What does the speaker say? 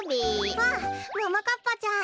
あっももかっぱちゃん。